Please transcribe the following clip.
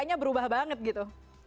jadi akhirnyadate write